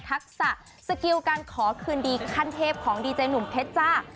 ทักษะสกิลการขอคืนดีขั้นเทพของดีเจหนุ่มเพชรจ้า